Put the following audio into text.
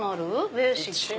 ベーシック？